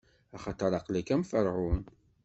Axaṭer aql-ak am Ferɛun.